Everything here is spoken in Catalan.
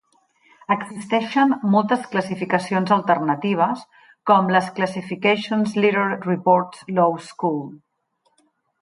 Existeixen moltes classificacions alternatives, com les Classificacions Leiter Reports Law School.